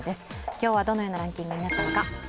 今日は、どのようなランキングになったのか。